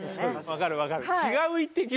分かる分かる。